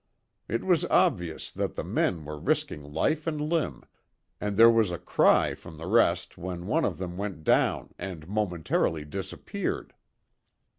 It was obvious that the men were risking life and limb, and there was a cry from the rest when one of them went down and momentarily disappeared.